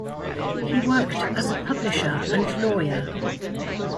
He worked as a publisher and lawyer.